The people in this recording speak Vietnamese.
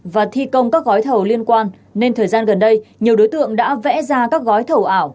và thi công các gói thầu liên quan nên thời gian gần đây nhiều đối tượng đã vẽ ra các gói thầu ảo